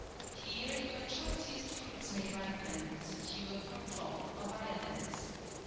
Here your choicest fruits may ripen, secure from fraud or violence.